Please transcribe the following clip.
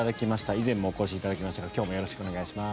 以前もお越しいただきましたが今日もよろしくお願いします。